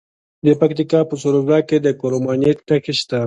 د پکتیکا په سروضه کې د کرومایټ نښې شته.